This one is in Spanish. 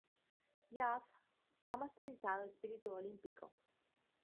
Youth ha masterizado "Espíritu olímpico".